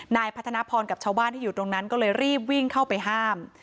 นายพัฒนาพรกับชาวบ้านที่อยู่ตรงนั้นก็เลยรีบวิ่งเข้าไปห้าม